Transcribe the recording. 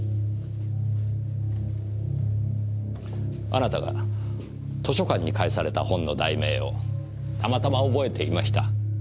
あなたが図書館に返された本の題名をたまたま覚えていました。